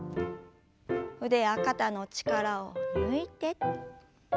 腕や肩の力を抜いて。